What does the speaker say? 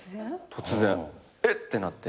突然。えっ？ってなって。